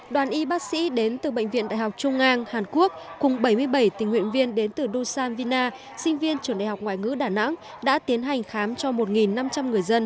đoàn y bác sĩ đến từ bệnh viện đại học trung ngang hàn quốc cùng bảy mươi bảy tình nguyện viên đến từ dusan vina sinh viên trường đại học ngoại ngữ đà nẵng đã tiến hành khám cho một năm trăm linh người dân